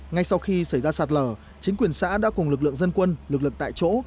ngay sau khi xảy ra sạt lở chính quyền xã đã cùng lực lượng dân quân lực lượng tại chỗ